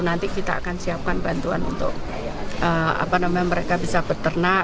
nanti kita akan siapkan bantuan untuk mereka bisa berternak